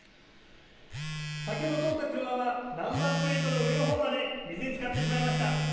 先ほど通った車はナンバープレートの上のほうまで水につかってしまいました。